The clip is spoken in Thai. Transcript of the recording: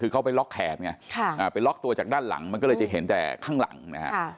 คือเขาไปล็อกแขนไงไปล็อกตัวจากด้านหลังมันก็เลยจะเห็นแต่ข้างหลังนะฮะ